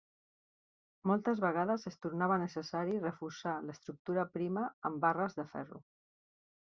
Moltes vegades es tornava necessari reforçar l'estructura prima amb barres de ferro.